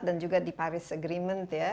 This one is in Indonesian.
dan juga di paris agreement ya